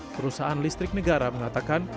perusahaan listrik negara mengatakan